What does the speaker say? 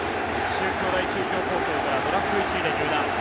中京大中京高校からドラフト１位で入団。